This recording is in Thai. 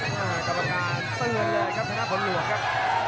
กรรมการเตือนเลยครับธนาผลหลวงครับ